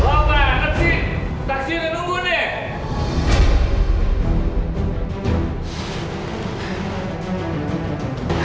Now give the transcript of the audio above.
lama taksi taksi udah nunggu deh